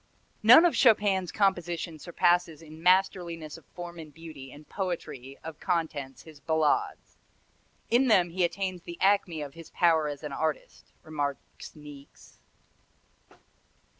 "None of Chopin's compositions surpasses in masterliness of form and beauty and poetry of contents his ballades. In them he attains the acme of his power as an artist," remarks Niecks.